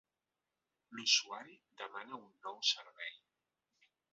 L'usuari demana un nou servei.